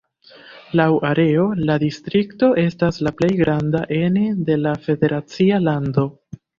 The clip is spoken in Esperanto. Laŭ areo, la distrikto estas la plej granda ene de la federacia lando.